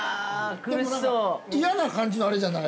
◆嫌な感じのあれじゃない。